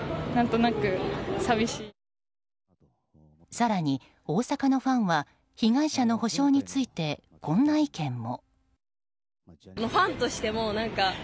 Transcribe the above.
更に、大阪のファンは被害者の補償についてこんな意見も。